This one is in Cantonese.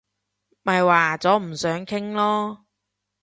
咪話咗唔想傾囉